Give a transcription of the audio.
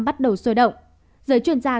bắt đầu sôi động giới chuyên gia